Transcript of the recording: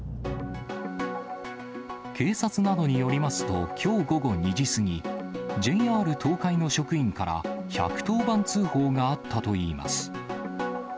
警察などによりますと、きょう午後２時過ぎ、ＪＲ東海の職員から、１１０番通報があったといいます。